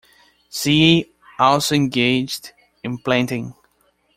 Seay also engaged in planting.